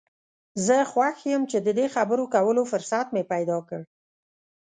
زه خوښ یم چې د دې خبرو کولو فرصت مې پیدا کړ.